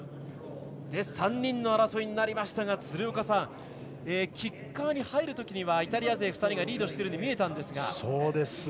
３人の争いになりましたがキッカーに入るときにイタリア勢２人がリードしているように見えたんですが。